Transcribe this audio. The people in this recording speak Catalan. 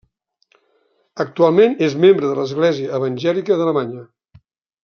Actualment és membre de l'Església Evangèlica d'Alemanya.